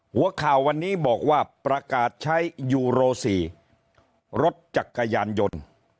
หัวข่าววันนี้บอกว่าประกาศใช้ยูโร๔รถจักรยานยนต์